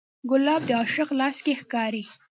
ګلاب د عاشق لاس کې ښکاري.